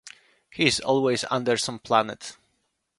He is always under some planet.